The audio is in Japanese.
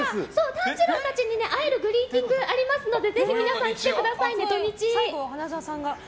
炭治郎たちに会えるグリーティングありますのでぜひ皆さん来てくださいね、土日。